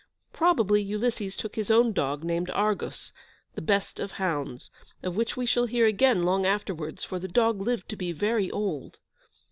Probably Ulysses took his own dog, named Argos, the best of hounds, of which we shall hear again, long afterwards, for the dog lived to be very old.